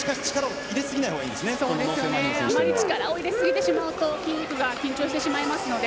力を入れすぎてしまうと筋肉が緊張してしまいますので。